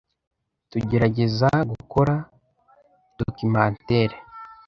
Tugerageza gukora documentaire.